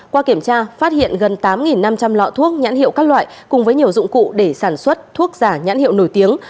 qua kiểm tra phát hiện gần tám năm trăm linh lọ thuốc nhãn hiệu các loại cùng với nhiều dụng cụ để sản xuất thuốc giả nhãn hiệu nổi tiếng